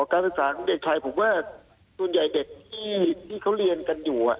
การศึกษาของเด็กชายผมว่าส่วนใหญ่เด็กที่เขาเรียนกันอยู่